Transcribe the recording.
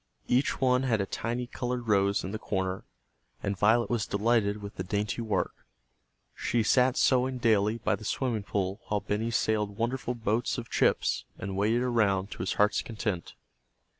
Each one had a tiny colored rose in the corner, and Violet was delighted with the dainty work. She sat sewing daily by the swimming pool while Benny sailed wonderful boats of chips, and waded around to his heart's content.